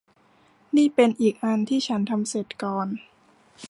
นี่เป็นอีกอันที่ฉันทำเสร็จก่อน